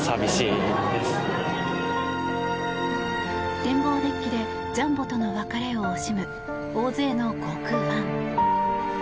展望デッキでジャンボとの別れを惜しむ大勢の航空ファン。